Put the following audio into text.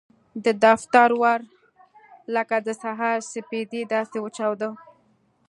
د دفتر ور لکه د سهار سپېدې داسې وچاوده.